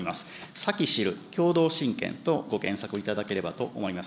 サキシル、共同親権とご検索いただければと思います。